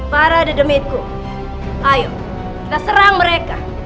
para dedemitku ayo kita serang mereka